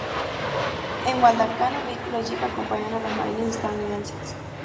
En Guadalcanal, los vehículos Jeep acompañaron a los Marines estadounidenses.